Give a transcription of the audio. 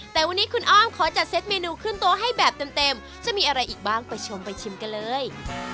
แต่วันนี้คุณอ้อมขอจัดเซ็ตเมนูขึ้นโต๊ะให้แบบเต็มจะมีอะไรอีกบ้างไปชมไปชิมกันเลย